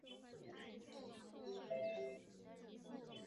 长萼石笔木为山茶科石笔木属下的一个种。